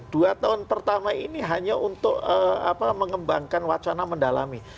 dua tahun pertama ini hanya untuk mengembangkan wacana mendalami